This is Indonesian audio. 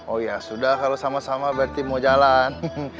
oh ya sudah kalau sama sama berarti mau jalan